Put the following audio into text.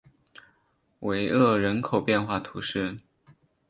维厄人口变化图示